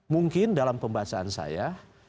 mungkin dalam pembahasan saya